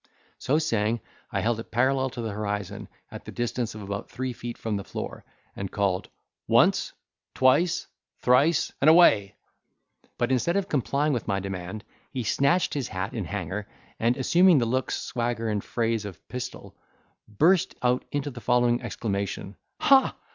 So saying, I held it parallel to the horizon, at the distance of about three feet from the floor, and called, "Once twice thrice—and away!" but, instead of complying with my demand, he snatched his hat and hanger, and, assuming the looks, swagger, and phrase of Pistol, burst out into the following exclamation, "Ha!